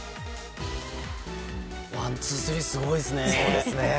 ワンツースリー、すごいですね。